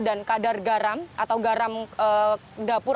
dan kadar garam atau garam dapur